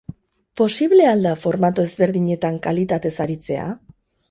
Posible al da formato ezberdinetan kalitatez aritzea?